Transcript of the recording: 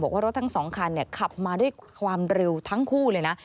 ว่ารถทั้งสองคันขับมาด้วยความเร็วทั้งคู่เลยนะ